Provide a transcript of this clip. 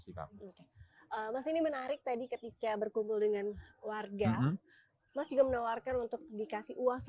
mas ini menarik tadi ketika berkumpul dengan warga mas juga menawarkan untuk dikasih uang rp seratus